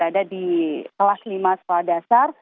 ada di kelas lima sekolah dasar